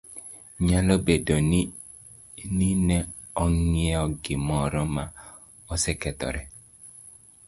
Nyalo bedo ni ne ing'iewo gimoro ma osekethore,